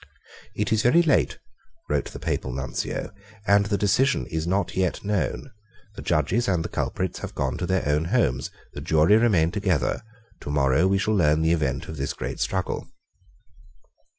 "It is very late," wrote the Papal Nuncio; "and the decision is not yet known. The judges and the culprits have gone to their own homes. The jury remain together. Tomorrow we shall learn the event of this great struggle."